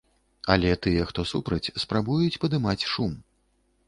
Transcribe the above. Але тыя, хто супраць, спрабуюць падымаць шум.